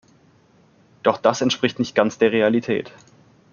Doch das entspricht nicht ganz der Realität.